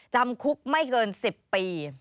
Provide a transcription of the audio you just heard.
จำคุกไม่เกิน๑๐ปี